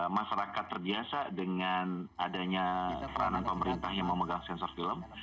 masyarakat terbiasa dengan adanya peranan pemerintah yang memegang sensor film